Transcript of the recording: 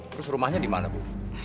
terus rumahnya di mana bu